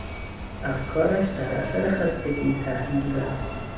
افکارش در اثر خستگی تحلیل رفت.